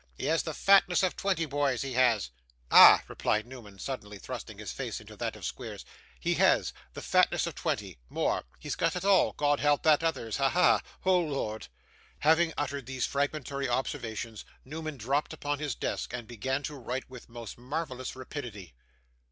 'He has the fatness of twenty boys, he has.' 'Ah!' replied Newman, suddenly thrusting his face into that of Squeers, 'he has; the fatness of twenty! more! He's got it all. God help that others. Ha! ha! Oh Lord!' Having uttered these fragmentary observations, Newman dropped upon his desk and began to write with most marvellous rapidity.